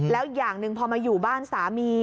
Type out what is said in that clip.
แล้วอย่างหนึ่งพอมาอยู่บ้านสามี